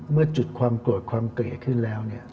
เมื่อจุดความโกรธความเกลี่ยขึ้นแล้วเนี่ย